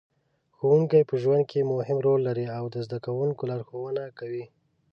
ښوونکې په ژوند کې مهم رول لري او د زده کوونکو لارښوونه کوي.